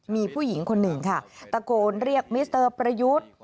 มีผู้หญิงคนหนึ่งค่ะตะโกนเรียกมิสเตอร์ประยุทธ์